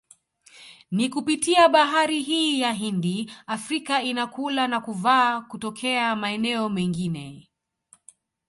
Ni kupitia bahari hii ya Hindi Afrika inakula na kuvaa kutokea maeneo mengine